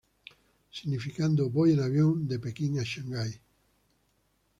Significando: "Voy, en avión, de Pekín a Shanghái".